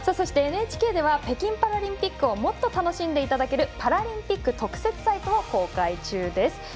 ＮＨＫでは北京パラリンピックをもっと楽しんでいただけるパラリンピック特設サイトを公開中です。